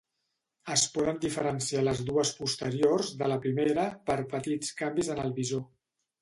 Es poden diferenciar les dues posteriors de la primera per petits canvis en el visor.